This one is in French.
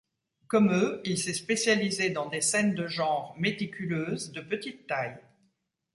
Comme eux, il s'est spécialisé dans des scènes de genres méticuleuses de petite taille.